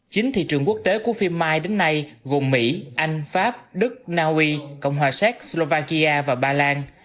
chính thị trường quốc tế của phim my đến nay gồm mỹ anh pháp đức naui cộng hòa séc slovakia và ba lan